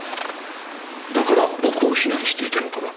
だから僕を非難していたのかな？